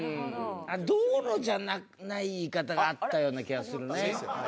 「道路」じゃない言い方があったような気がするね。